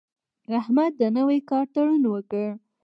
احمد د نوي کار تړون وکړ.